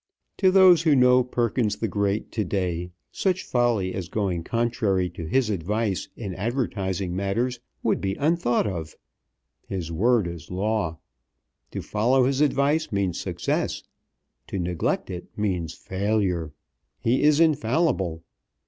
To those who know Perkins the Great to day, such folly as going contrary to his advice in advertising matters would be unthought of. His word is law. To follow his advice means success; to neglect it means failure. He is infallible.